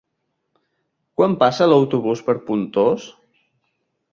Quan passa l'autobús per Pontós?